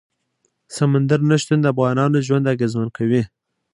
سمندر نه شتون د افغانانو ژوند اغېزمن کوي.